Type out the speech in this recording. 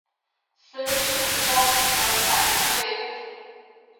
森信托则对此表达反对。